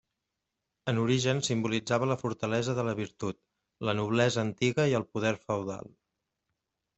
En origen simbolitzava la fortalesa de la virtut, la noblesa antiga i el poder feudal.